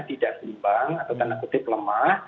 tidak seimbang atau tanda kutip lemah